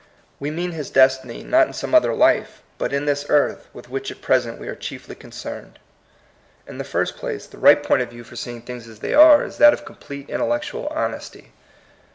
We mean his destiny, not in some other life, but in this earth with which at present we are chiefly concerned. In the first place, the right point of view THE POINT OF VIEW. 66 for seeing things as they are is that of complete intellectual honesty.